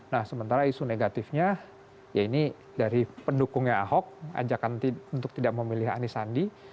nah sementara isu negatifnya ya ini dari pendukungnya ahok ajakan untuk tidak memilih anisandi